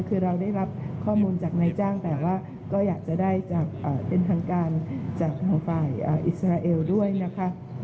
คือเราได้รับข้อมูลจากนายจ้างแต่ว่าก็อยากจะได้จากเป็นทางการจากทางฝ่ายอิสราเอลด้วยนะคะ